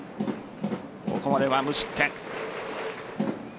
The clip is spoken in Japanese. ここまでは無失点。